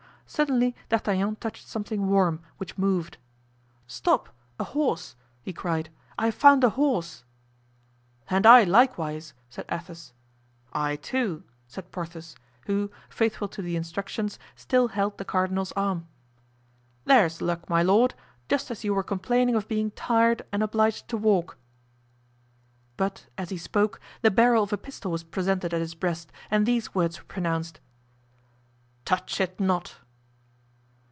Suddenly D'Artagnan touched something warm, which moved. "Stop! a horse!" he cried; "I have found a horse!" "And I, likewise," said Athos. "I, too," said Porthos, who, faithful to the instructions, still held the cardinal's arm. "There's luck, my lord! just as you were complaining of being tired and obliged to walk." But as he spoke the barrel of a pistol was presented at his breast and these words were pronounced: "Touch it not!"